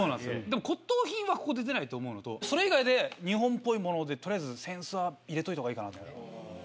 骨董品はここで出ないと思うのとそれ以外で日本っぽいもので取りあえず扇子は入れといたほうがいいかなと。